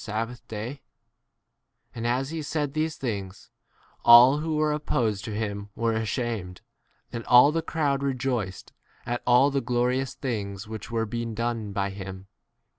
sabbath day ? And as ho said these things, all who were oppos ed to him were ashamed ; and all the crowd rejoiced at all the glori ous things which were being done by him.